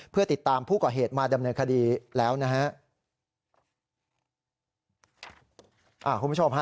เพื่อติดตามผู้ก่อเหตุมาดำเนินคดีแล้วนะฮะ